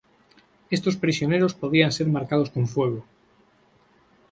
Estos prisioneros podían ser marcados con fuego.